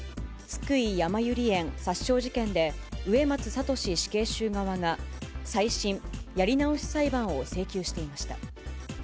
津久井やまゆり園殺傷事件で、植松聖死刑囚側が再審・やり直し裁判を請求していました。